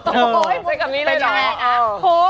เจ๊กับน้ี้เลยหรอ